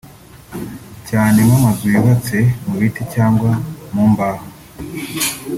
cyane nk’amazu yubatse mu biti cyangwa mu mbaho